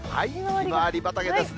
ひまわり畑ですね。